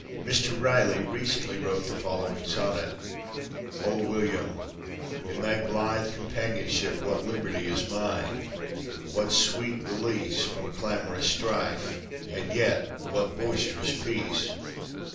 Mr. Riley recently wrote the following sonnet: O William, in thy blithe companionship What liberty is mine what sweet release From clamorous strife, and yet what boisterous peace!